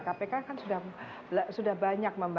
kpk kan sudah banyak